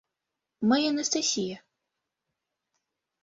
Мый Анастасия.